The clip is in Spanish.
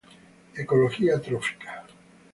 Ecología trófica.